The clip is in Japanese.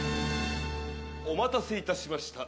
お待たせ致しました。